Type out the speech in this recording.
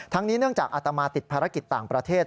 นี้เนื่องจากอาตมาติดภารกิจต่างประเทศ